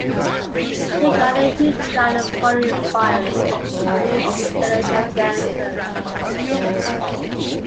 He garnered a huge fan-following inspiring the new generation of dancers.